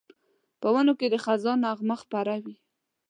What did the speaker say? په ونو کې د خزان نغمه خپره وي